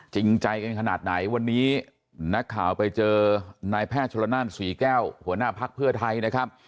จริงใจกันขนาดไหนวันนี้นักข่าวไปเจอนายแพทย์ชนละนานศรีแก้วหัวหน้าภักดิ์เพื่อไทยนะครับ